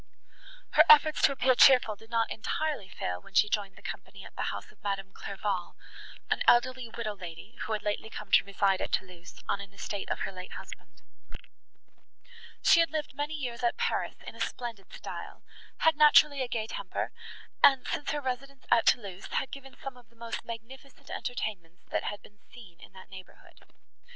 Her efforts to appear cheerful did not entirely fail when she joined the company at the house of Madame Clairval, an elderly widow lady, who had lately come to reside at Thoulouse, on an estate of her late husband. She had lived many years at Paris in a splendid style; had naturally a gay temper, and, since her residence at Thoulouse, had given some of the most magnificent entertainments, that had been seen in that neighbourhood.